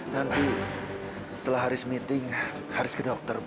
nanti setelah haris meeting haris ke dokter bu